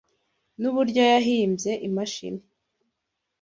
Nuburyo yahimbye imashini.